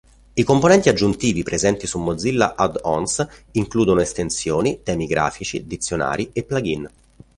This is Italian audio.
I componenti aggiuntivi presenti su Mozilla Add-ons includono estensioni, temi grafici, dizionari e plug-in.